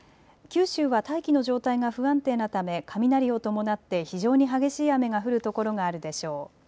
九州は大気の状態が不安定なため雷を伴って非常に激しい雨が降るところがあるでしょう。